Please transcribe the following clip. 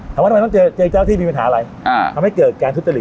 ทำไมต้องเจอเจ้าที่มีปัญหาอะไรทำให้เกิดการทุจริต